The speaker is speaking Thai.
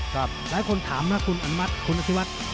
หลายคนถามมาคุณอันมัติคุณอธิวัตร